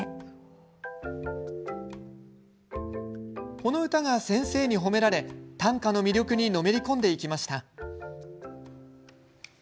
この歌が先生に褒められ短歌の魅力にのめり込んでいきました。